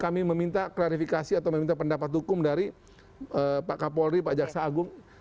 kami meminta klarifikasi atau meminta pendapat hukum dari pak kapolri pak jaksa agung